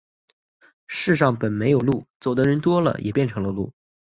世上本没有路，走的人多了，也便成了路。